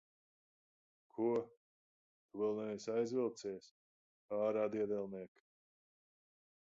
Ko? Tu vēl neesi aizvilcies? Ārā, diedelniek!